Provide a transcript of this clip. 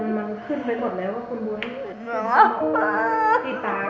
มันขึ้นไปหมดแล้วว่าคุณด้วย